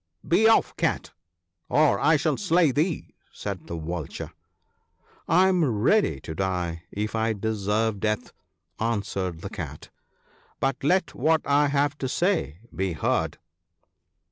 " Be off, Cat, or I shall slay thee," said the Vulture. " I am ready to die if I deserve death," answered the Cat ;" but let what I have to say be heard."